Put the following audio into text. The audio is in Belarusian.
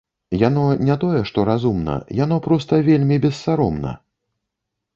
Яно не тое што разумна, яно проста вельмі бессаромна.